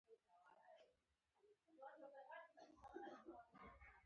د مرکزي استخباراتو دفتر مالټا دفتر ته لیکي.